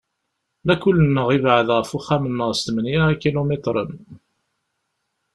Lakul-nneɣ yebɛed ɣef uxxam-nneɣ s tmanya ikilumitren.